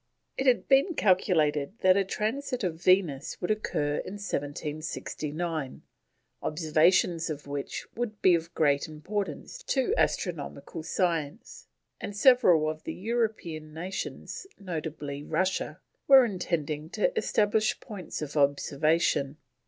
It had been calculated that a Transit of Venus would occur in 1769, observations of which would be of great importance to astronomical science, and several of the European nations, notably Russia, were intending to establish points of observation.